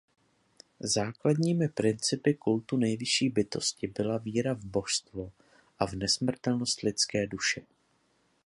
Základními principy kultu Nejvyšší Bytosti byla víra v božstvo a v nesmrtelnost lidské duše.